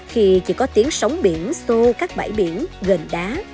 khi chỉ có tiếng sóng biển xô các bãi biển gần đá